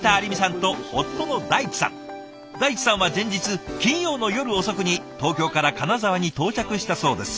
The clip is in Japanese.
大地さんは前日金曜の夜遅くに東京から金沢に到着したそうです。